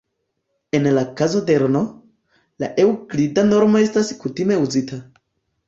En la kazo de Rn, la Eŭklida normo estas kutime uzita.